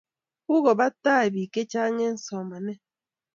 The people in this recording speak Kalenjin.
Kukobak tai biik che chang eng simaanee